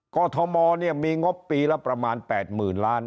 ก่อทมเนี่ยมีงบปีละประมาณ๘หมื่นล้าน